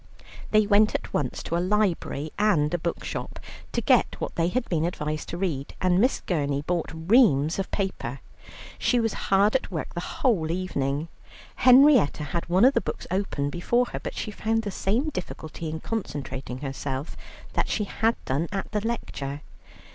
They went at once to a library and a bookshop to get what they had been advised to read, and Miss Gurney bought reams of paper. She was hard at work the whole evening. Henrietta had one of the books open before her, but she found the same difficulty in concentrating herself that she had done at the lecture.